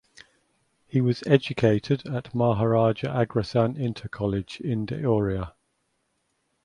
He was educated at Maharaja Agrasen Inter College in Deoria.